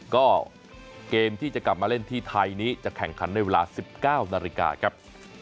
ก็เกมที่จะกลับมาเล่นที่ไทยนี้จะแข่งขันในเวลา๑๙นาฬิกาครับ